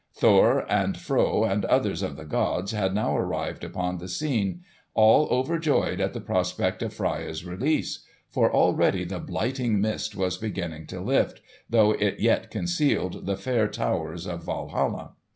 Thor and Fro and others of the gods had now arrived upon the scene—all overjoyed at the prospect of Freia's release; for already the blighting mist was beginning to lift, though it yet concealed the fair towers of Walhalla.